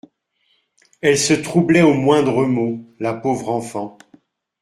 Elle se troublait au moindre mot, la pauvre enfant.